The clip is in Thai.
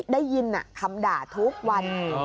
ได้ยินคำด่าทุกวัน